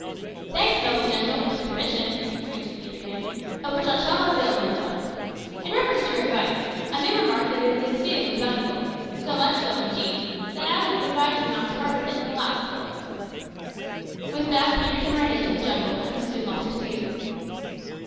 "Thanks, noble general, for the permission," answered Peterkin, "of which I shall avail myself. In reference to your advice, I may remark that it is exceedingly valuable so much so, indeed, that I would advise you not to part with it until asked for." With that Peterkin ran into the jungle, and was soon lost to view.